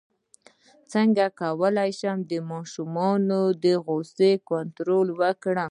څنګه کولی شم د ماشومانو د غوسې کنټرول وکړم